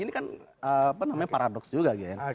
ini kan apa namanya paradoks juga gen